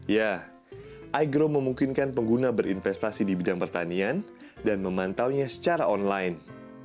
ya igrow memungkinkan pengguna berinvestasi di bidang pertanian dan memantaunya secara online